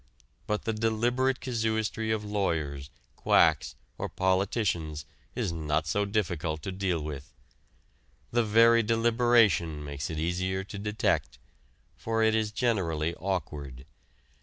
But the deliberate casuistry of lawyers, quacks, or politicians is not so difficult to deal with. The very deliberation makes it easier to detect, for it is generally awkward.